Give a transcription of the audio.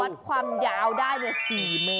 วัดความยาวได้๔เมตร